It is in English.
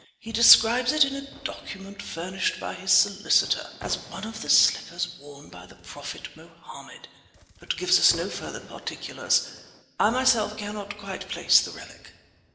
He describes it in a document furnished by his solicitor as one of the slippers worn by the Prophet Mohammed, but gives us no further particulars. I myself cannot quite place the relic."